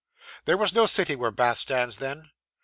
'There was no city where Bath stands, then.